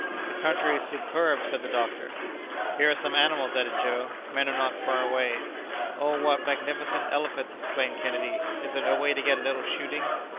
"The country is superb!" said the doctor. "Here are some animals," added Joe. "Men are not far away." "Oh, what magnificent elephants!" exclaimed Kennedy. "Is there no way to get a little shooting?"